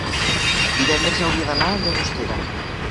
divendres hauria d'anar a Llagostera.